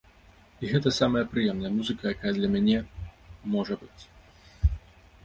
І гэта самая прыемная музыка, якая для мяне можа быць.